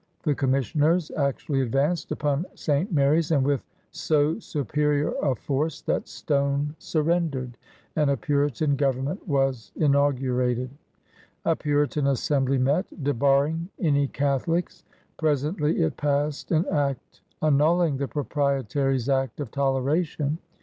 The Conmiissioners actually advanced upon St. Mary's, and with so superior a force that Stone surrendered, and a Puritan Government was in augurated. A Puritan Assembly met, debarring any Catholics. Presently it passed an act annul ling the Proprietary's Act of Toleration.